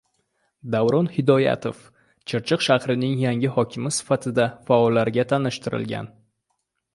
Davron Hidoyatov Chirchiq shahrining yangi hokimi sifatida faollarga tanishtirilgan